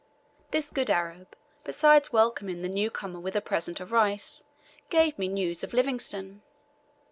This good Arab, besides welcoming the new comer with a present of rice, gave me news of Livingstone.